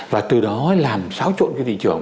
và từ đó làm sáo trộn thị trường